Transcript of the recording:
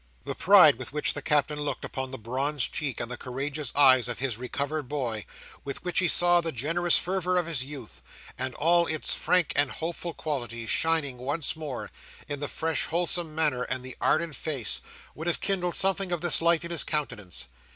The pride with which the Captain looked upon the bronzed cheek and the courageous eyes of his recovered boy; with which he saw the generous fervour of his youth, and all its frank and hopeful qualities, shining once more, in the fresh, wholesome manner, and the ardent face, would have kindled something of this light in his countenance.